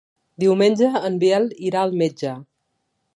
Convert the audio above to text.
Diumenge en Biel irà al metge.